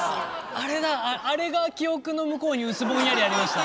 あれだあれが記憶の向こうに薄ぼんやりありました。